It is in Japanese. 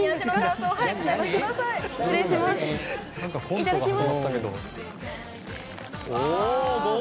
いただきます。